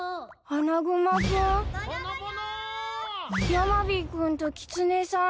ヤマビー君とキツネさん？